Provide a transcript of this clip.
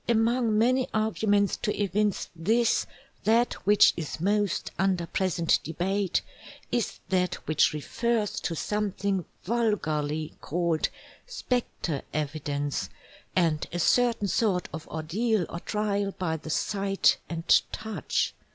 _ _Among many Arguments to evince this, that which is most under present debate, is that which refers to something vulgarly called +Spectre Evidence+, and a certain sort of Ordeal or trial by the sight and touch.